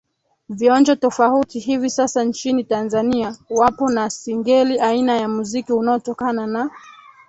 vionjo tofauti hivi sasa nchini Tanzania wapo na singeli aina ya muziki unatokana na